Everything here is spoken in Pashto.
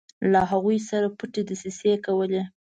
له هغوی سره پټې دسیسې کولې.